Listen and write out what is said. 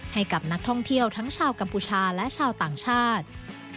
ให้กับนักท่องเที่ยวทั้งชาวกัมพูชาและชาวต่างชาติ